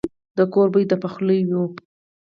د کور بوی د پخلي وو.